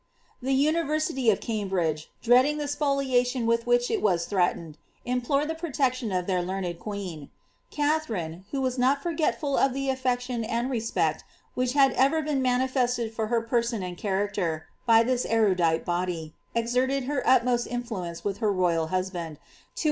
The university of Cambridge, dreading the spolia tion with which it was threatened, implored the protection of their teamed queen.' Katharine, who was not forgetful of the affection and respect which had been ever manifested for her person and character, by this erudite body, exerted her utmost influence with her royal hus* > Herbert Stow.